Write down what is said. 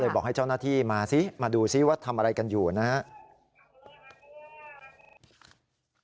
บอกให้เจ้าหน้าที่มาซิมาดูซิว่าทำอะไรกันอยู่นะครับ